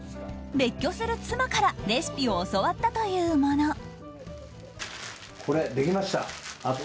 別居する妻からレシピを教わったというもの。